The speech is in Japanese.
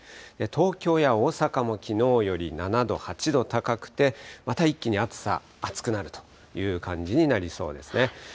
東京や大阪もきのうより７度、８度高くて、また一気に暑さ、暑くなるという感じになりそうですね。